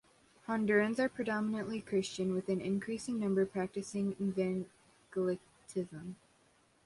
Hondurans are predominantly Christian with an increasing number practising evangelicalism.